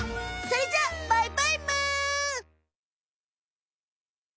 それじゃあバイバイむ！